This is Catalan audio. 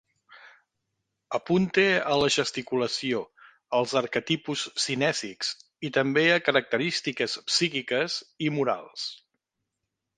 Apunte a la gesticulació, els arquetipus cinèsics, i també a característiques psíquiques i morals.